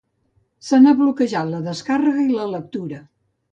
Se n'ha bloquejat la descàrrega i la lectura.